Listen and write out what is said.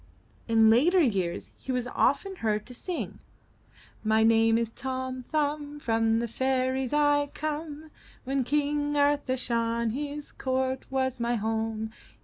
In later years he was often heard to sing: My name is Tom Thumb; From the fairies Fve come; When King Arthur shone. His court was my home.